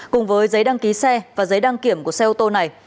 cùng với giấy đăng ký xe và giấy đăng kiểm của xe ô tô này